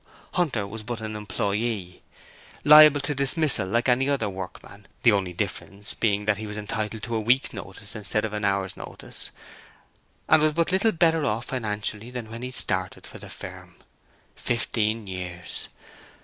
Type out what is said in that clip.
Hunter was but an employee, liable to dismissal like any other workman, the only difference being that he was entitled to a week's notice instead of an hour's notice, and was but little better off financially than when he started for the firm. Fifteen years!